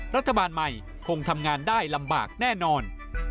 รัฐบาลใหม่คงทำงานได้ลำบากแน่นอน